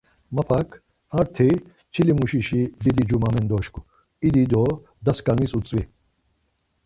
Mapak, ar ti çilimuşişi didi Cuma mendoşku, İdi do da skanis utzvi.